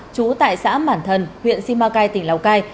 trú tại xã bản thần huyện simacai tỉnh lào cai